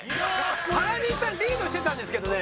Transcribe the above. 原西さんリードしてたんですけどね。